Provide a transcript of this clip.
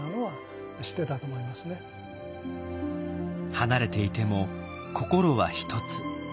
離れていても心は一つ。